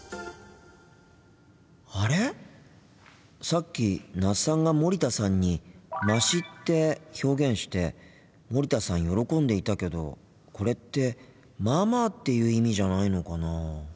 さっき那須さんが森田さんに「まし」って表現して森田さん喜んでいたけどこれって「まあまあ」っていう意味じゃないのかなあ。